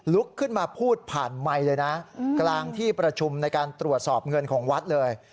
ลุกขึ้นมาพูดผ่านไมค์เลยนะกลางที่ประชุมในการตรวจสอบเงินของวัดเลย